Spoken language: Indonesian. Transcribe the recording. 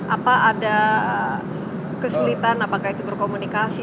apa ada kesulitan apakah itu berkomunikasi